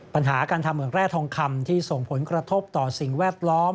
ปัญหาการทำเหมืองแร่ทองคำที่ส่งผลกระทบต่อสิ่งแวดล้อม